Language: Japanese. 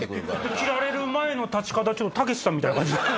斬られる前の立ち方たけしさんみたいな感じ。